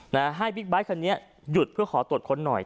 นะให้บิ๊กไบท์คันนี้หยุดเพื่อขอตรวจค้นหน่อย